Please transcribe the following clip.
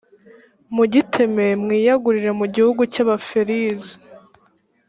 mugiteme mwiyagurire mu gihugu cy abaferizi